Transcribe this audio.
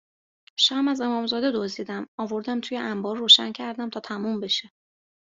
شمع از امامزاده دزدیدم، آوردم توی انبار روشن کردم تا تموم بشه